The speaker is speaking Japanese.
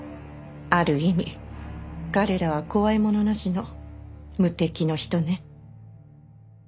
ある意味彼らは怖いものなしの無敵の人ね。